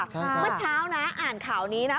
เมื่อเช้านะอ่านข่าวนี้นะ